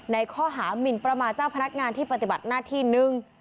ในข้อหามินประมาทเจ้าพนักงานที่ปฏิบัติหน้าที่หนึ่ง